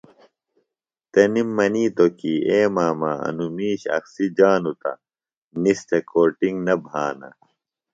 تنِم منِیتوۡ کیۡ اے ماما انوۡ مِیش اخسی جانوۡ تہ نِس تھےۡ کو ٹِنگ نہ بھانہ